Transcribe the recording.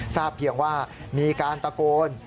ทราบเพียงว่ามีการตะโกน